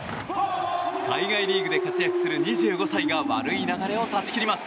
海外リーグで活躍するメンバーが悪い流れを断ち切ります。